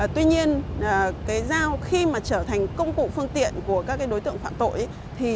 tuy nhiên dao khi trở thành công cụ phương tiện của các đối tượng phạm tội